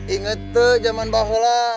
ingat tuh zaman bahola